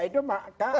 kalau tidak itu